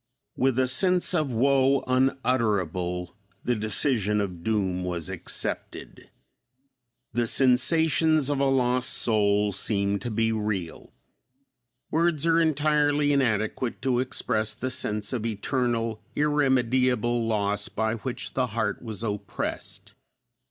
With a sense of woe unutterable the decision of doom was accepted. The sensations of a lost soul seemed to be real. Words are entirely inadequate to express the sense of eternal, irremediable loss by which the heart was oppressed.